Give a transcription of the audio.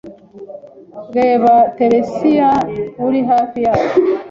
Reba Tiresiya uri hafi yacu